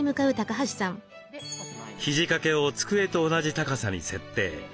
肘かけを机と同じ高さに設定。